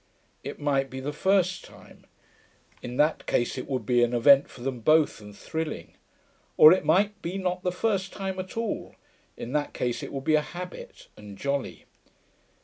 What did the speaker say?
It might be the first time: in that case it would be an event for them both, and thrilling. Or it might be not the first time at all: in that case it would be a habit, and jolly.